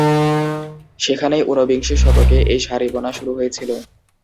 সেখানেই উনবিংশ শতকে এই শাড়ি বোনা শুরু হয়েছিল।